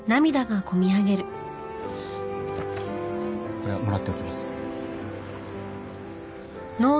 これはもらっておきます。